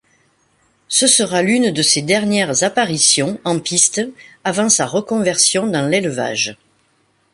Ce sera l'une de ses dernières apparitions en piste, avant sa reconversion dans l'élevage.